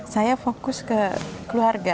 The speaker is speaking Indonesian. saya fokus ke keluarga